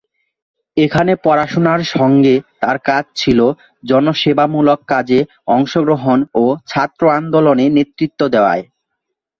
এখানে পড়াশুনার সঙ্গে তার কাজ ছিল জনসেবা মূলক কাজে অংশ গ্রহণ ও ছাত্র আন্দোলনে নেতৃত্ব দেওয়ায়।